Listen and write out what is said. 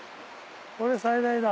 これ最大だ。